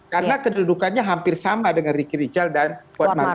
karena kedudukannya hampir sama dengan riki rijal dan kwaad maruk